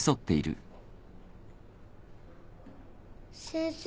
先生